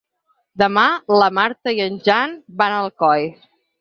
Demà na Marta i en Jan van a Alcoi.